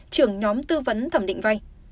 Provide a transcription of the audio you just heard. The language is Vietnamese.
trưởng nhóm tư vấn thẩm định vay